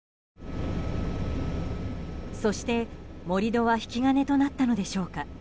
そして、盛り土は引き金となったのでしょうか。